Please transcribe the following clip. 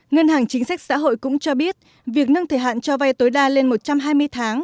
ngân hàng chính sách xã hội cũng cho biết việc nâng thời hạn cho vay tối đa lên một trăm hai mươi tháng